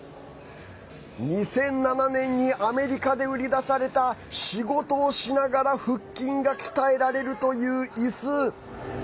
２００７年にアメリカで売り出された仕事をしながら腹筋が鍛えられるという、いす。